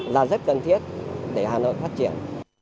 là rất cần thiết để hà nội phát triển